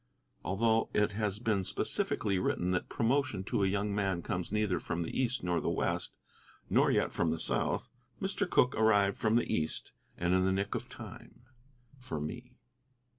Although it has been specifically written that promotion to a young man comes neither from the East nor the West, nor yet from the South, Mr. Cooke arrived from the East, and in the nick of time for me.